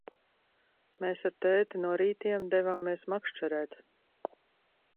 Mēs ar tēti no rītiem devāmies makšķerēt.